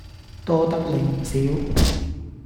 多得你唔少